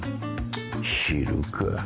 知るか。